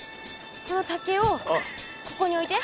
この竹をここにおいて。